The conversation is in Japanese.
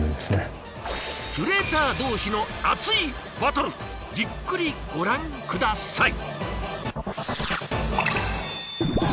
キュレーター同士の熱いバトルじっくりご覧下さい。